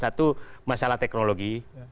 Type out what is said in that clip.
satu masalah teknologi